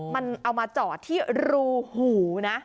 มันเอามาจอดที่รูหูนะ